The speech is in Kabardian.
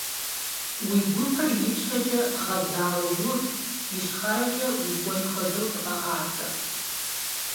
Уи гупэр ипщэкӀэ гъэзауэ ув, ищхъэрэкӀэ укӀуэн хуэдэу зыкъэгъазэ.